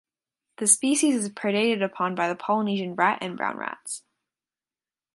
The species is predated upon by the polynesian rat and brown rats.